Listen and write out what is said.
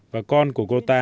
và con của cô ta